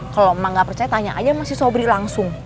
kalau mak nggak percaya tanya aja sama si sobri langsung